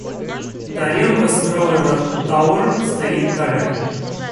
Тарелка с траулера «Тауэр» стоит талер.